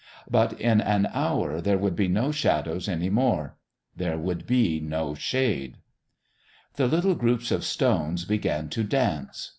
But in an hour there would be no shadows any more. There would be no shade!... The little groups of stones began to dance.